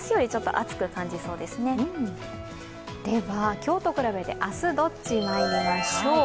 今日と比べて明日どっちにまいりましょう。